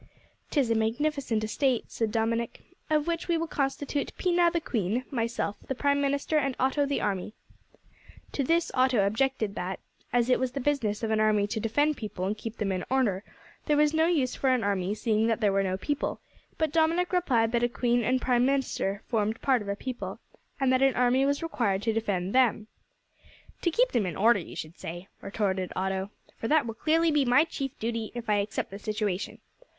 "'Tis a magnificent estate," said Dominick, "of which we will constitute Pina the Queen, myself the Prime Minister, and Otto the army." To this Otto objected that, as it was the business of an army to defend the people and keep them in order, there was no use for an army, seeing that there were no people; but Dominick replied that a queen and prime minister formed part of a people, and that an army was required to defend them. "To keep them in order, you should say," retorted Otto, "for that will clearly be my chief duty if I accept the situation.